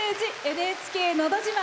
「ＮＨＫのど自慢」。